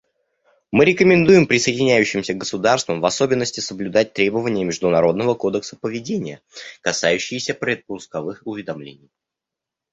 Мы рекомендуем присоединяющимся государствам в особенности соблюдать требования международного кодекса поведения, касающиеся предпусковых уведомлений.